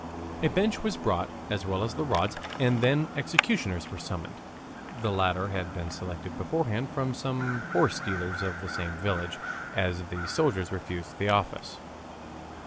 A bench was brought as well as the rods, and then the executioners were summoned (the latter had been selected beforehand from some horsestealers of the same village, as the soldiers refused the office).